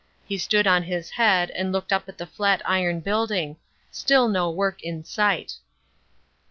He stood on his head and looked up at the flat iron building. Still no work in sight.